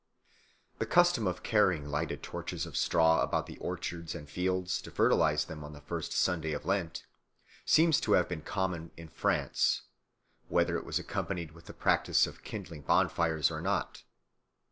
The custom of carrying lighted torches of straw (brandons) about the orchards and fields to fertilise them on the first Sunday of Lent seems to have been common in France, whether it was accompanied with the practice of kindling bonfires or not.